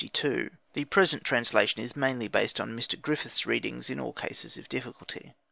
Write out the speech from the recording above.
The present translation is mainly based on Mr. Griffith's readings in all cases of difficulty.